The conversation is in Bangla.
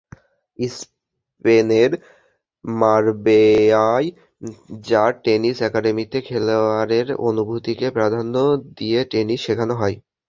স্পেনের মারবেয়ায় যাঁর টেনিস একাডেমিতে খেলোয়াড়ের অনুভূতিকে প্রাধান্য দিয়ে টেনিস শেখানো হয়।